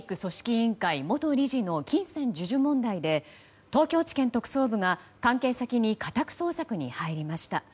委員会元理事の金銭授受問題で東京地検特捜部が関係先に家宅捜索に入りました。